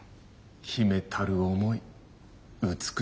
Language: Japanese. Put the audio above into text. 秘めたる思い美しいものよ。